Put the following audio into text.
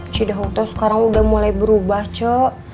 cirehaus itu sekarang sudah mulai berubah cu